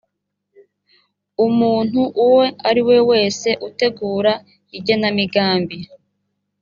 umuntu uwo ari we wese utegura igenamigambi